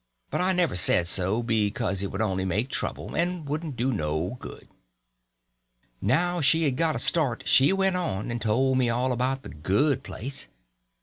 But I never said so, because it would only make trouble, and wouldn't do no good. Now she had got a start, and she went on and told me all about the good place.